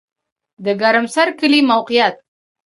د ګرم سر کلی موقعیت